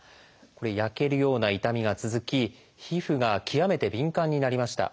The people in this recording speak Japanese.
焼けるような痛みが続き皮膚が極めて敏感になりました。